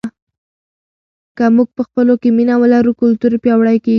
که موږ په خپلو کې مینه ولرو کلتور پیاوړی کیږي.